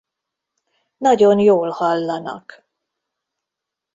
Nagyon jól hallanak.